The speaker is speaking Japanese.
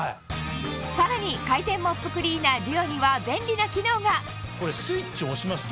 さらに回転モップクリーナーＤＵＯにはこれスイッチ押しますと。